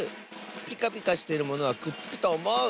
ピカピカしてるものはくっつくとおもう！